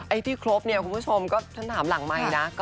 ที่ครบเนี่ยคุณผู้ชมก็ฉันถามหลังไมค์นะ